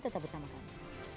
tetap bersama kami